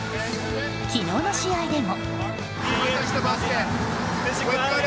昨日の試合でも。